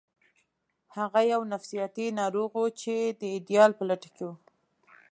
هغه یو نفسیاتي ناروغ و چې د ایډیال په لټه کې و